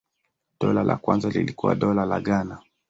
Dola la kwanza lilikuwa Dola la Ghana.